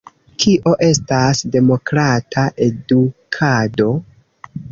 Kio estas Demokrata Edukado?